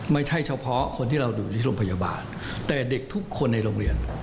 ไม่ใช่เฉพาะคนที่เราอยู่ที่โรงพยาบาลแต่เด็กทุกคนในโรงเรียน